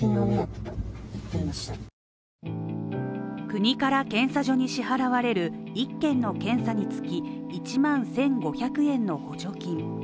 国から検査所に支払われる１件の検査につき１万１５００円の補助金